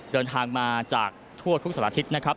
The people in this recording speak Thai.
เดินทางมาจากทั่วทุกสัตว์อาทิตย์นะครับ